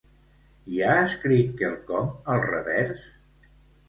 Hi ha escrit quelcom al revers?